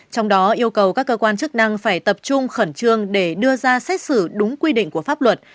trong đó yêu cầu các cơ quan chức năng phải tập trung khẩn trương để đưa ra xét xử đúng quy định của pháp luật